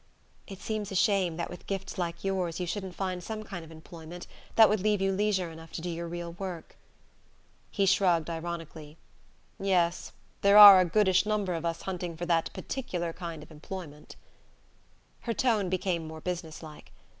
"It seems a shame that with gifts like yours you shouldn't find some kind of employment that would leave you leisure enough to do your real work...." He shrugged ironically. "Yes there are a goodish number of us hunting for that particular kind of employment." Her tone became more business like.